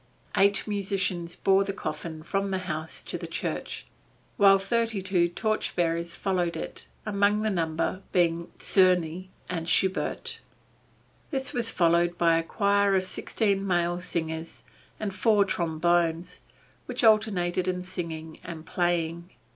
Eight musicians bore the coffin from the house to the church, while thirty two torch bearers followed it, among the number being Czerny and Schubert. This was followed by a choir of sixteen male singers, and four trombones, which alternated in singing and playing.